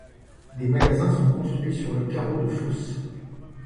Des magasins sont construits sur le carreau de fosse.